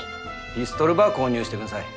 ピストルば購入してくんさい。